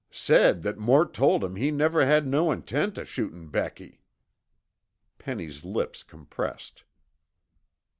"Said that Mort told him he never had no intent o' shootin' Becky." Penny's lips compressed.